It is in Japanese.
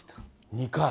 ２回？